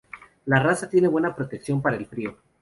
La raza tiene buena protección para el frío.